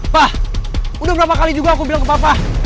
pak udah berapa kali juga aku bilang ke papa